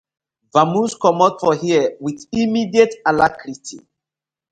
Vamoose comot for here with immediate alarcrity.